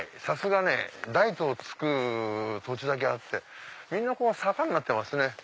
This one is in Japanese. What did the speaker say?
さすが「台」と付く土地だけあってみんな坂になってますね。